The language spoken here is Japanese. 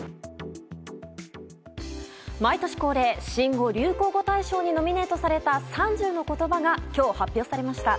毎年恒例、新語・流行語大賞にノミネートされた３０の言葉が今日発表されました。